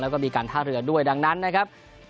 แล้วก็มีการท่าเรือด้วยดังนั้นนะครับ